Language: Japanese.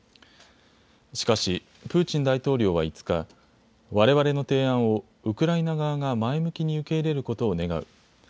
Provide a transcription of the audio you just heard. しかしプーチン大統領は５日、われわれの提案をウクライナ側が前向きに受け入れることを願う。